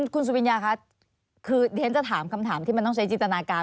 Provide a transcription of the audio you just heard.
คุณสุวิญญาคะคือเรียนจะถามคำถามที่มันต้องใช้จินตนาการ